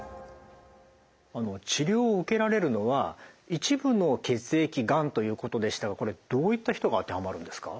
治療を受けられるのは一部の血液がんということでしたがこれどういった人が当てはまるんですか？